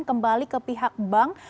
kembali ke pihak bank